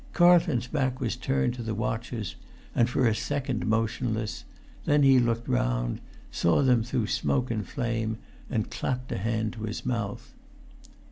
Carlton's back was turned to the watchers, and for a second motionless; then he looked round, saw them through smoke and flame, and clapped a hand to his mouth.